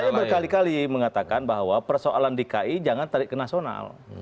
nah saya berkali kali mengatakan bahwa persoalan di ki jangan tarik ke nasional